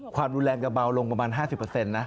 ความดูแลนกจะเบาลงประมาณ๕๐เปอร์เซ็นต์นะ